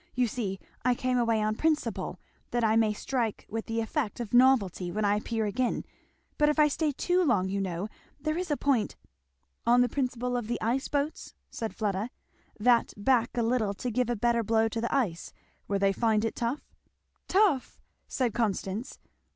You see, I came away on principle, that I may strike with the effect of novelty when I appear again; but if I stay too long, you know, there is a point " "On the principle of the ice boats," said Fleda, "that back a little to give a better blow to the ice, where they find it tough?" "Tough!" said Constance.